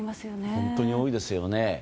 本当に多いですよね。